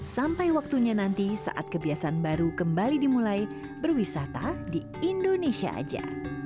sampai waktunya nanti saat kebiasaan baru kembali dimulai berwisata di indonesia aja